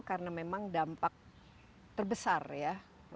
karena memang dampak terbesar ya